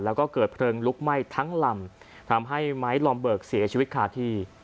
แล้วก็เกิดเพลิงลุกไหม้ทั้งลำทำให้ไม้ลอมเบิกเสียชีวิตคาที่